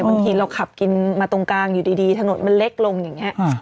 บางทีเราขับกินมาตรงกลางอยู่ดีถนนมันเล็กลงอย่างนี้